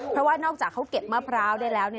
เพราะว่านอกจากเขาเก็บมะพร้าวได้แล้ว